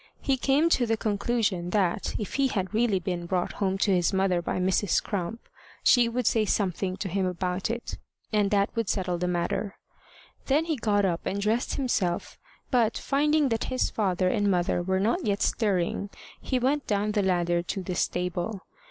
He came to the conclusion that, if he had really been brought home to his mother by Mrs. Crump, she would say something to him about it, and that would settle the matter. Then he got up and dressed himself, but, finding that his father and mother were not yet stirring, he went down the ladder to the stable.